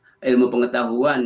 mendapatkan ilmu pengetahuan